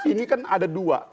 ini kan ada dua